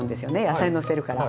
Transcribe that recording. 野菜のせるから。